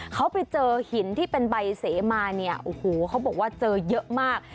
เขาไปเจอหินที่เป็นใบเสมาเนี่ยโอ้โหเขาบอกว่าเจอเยอะมาก